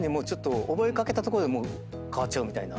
覚えかけたとこでもう変わっちゃうみたいな。